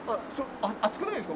暑くないですか？